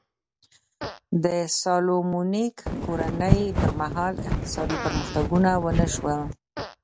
د سالومونیک کورنۍ پر مهال اقتصادي پرمختګونه ونه شول.